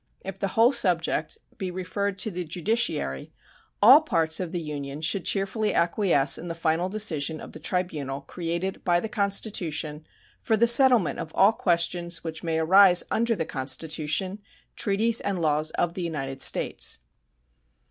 If the whole subject be referred to the judiciary, all parts of the Union should cheerfully acquiesce in the final decision of the tribunal created by the Constitution for the settlement of all questions which may arise under the Constitution, treaties, and laws of the United States.